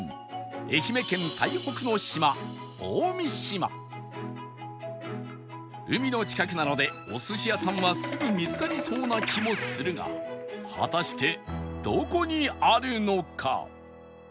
愛媛県最北の島海の近くなのでお寿司屋さんはすぐ見つかりそうな気もするが果たしてどこにあるのか？